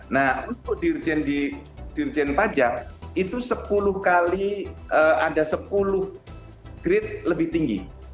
nah untuk dirjen pajak itu sepuluh kali ada sepuluh grade lebih tinggi